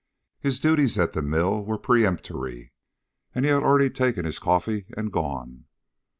His duties at the mill were peremptory, and he had already taken his coffee and gone.